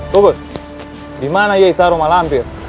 tugut di mana yei taruh malampir